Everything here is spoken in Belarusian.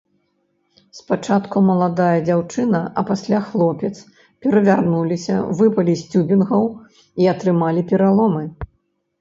Спачатку маладая дзяўчына, а пасля хлопец перавярнуліся, выпалі з цюбінгаў і атрымалі пераломы.